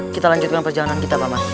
kita lanjutkan perjalanan kita bapak